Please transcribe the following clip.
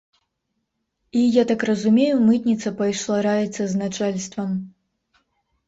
І, я так разумею, мытніца пайшла раіцца з начальствам.